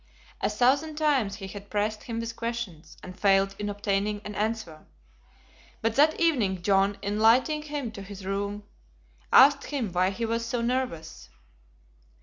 A thousand times he had pressed him with questions, and failed in obtaining an answer. But that evening, John, in lighting him to his room, asked him why he was so nervous.